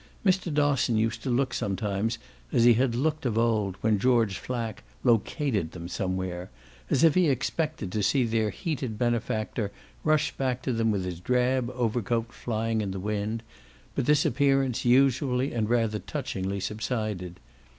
Mr. Dosson used to look sometimes as he had looked of old when George Flack "located" them somewhere as if he expected to see their heated benefactor rush back to them with his drab overcoat flying in the wind; but this appearance usually and rather touchingly subsided.